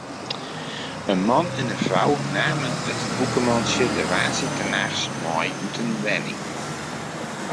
In man en in frou namen it bûkemantsje de woansdeitenachts mei út in wenning.